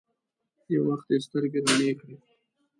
يو وخت يې سترګې رڼې کړې.